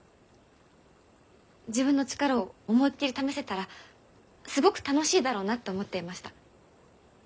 自分の力を思いっきり試せたらすごく楽しいだろうなって思っていました。